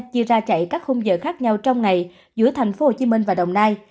chia ra chạy các khung giờ khác nhau trong ngày giữa tp hcm và đồng nai